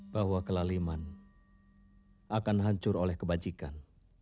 bahwa kelaliman akan hancur oleh kebajikan